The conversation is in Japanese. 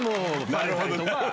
なるほど。